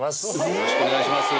よろしくお願いします